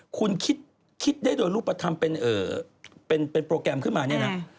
คุณคิดได้โดยรูปธรรมเป็นโปรแกรมขุมายังไง